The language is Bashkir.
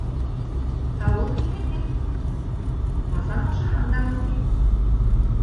— Тауыҡ һинеке, ҡасан ашаһаң да мөмкин.